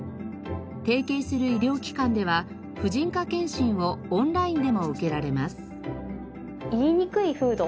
提携する医療機関では婦人科検診をオンラインでも受けられます。